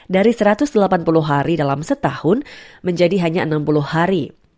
dari satu ratus delapan puluh hari dalam setahun menjadi hanya enam puluh hari